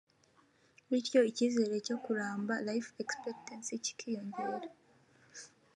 bityo icyizere cyo kuramba(life expectancy) kikiyongera